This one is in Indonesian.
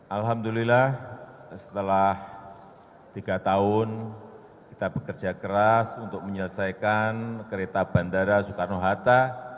alhamdulillah setelah tiga tahun kita bekerja keras untuk menyelesaikan kereta bandara soekarno hatta